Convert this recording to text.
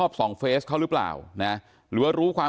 ผมมีโพสต์นึงครับว่า